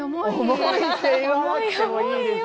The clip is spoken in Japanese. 重いって言わなくてもいいでしょ。